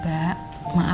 mbak maaf ya lah